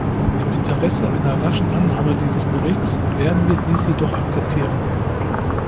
Im Interesse einer raschen Annahme dieses Berichts werden wir dies jedoch akzeptieren.